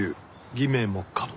偽名も可能。